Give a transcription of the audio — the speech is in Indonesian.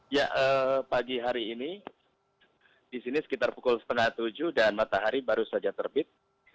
ya pagi hari ini disini sekitar pukul tujuh tiga puluh dan matahari baru saja terbit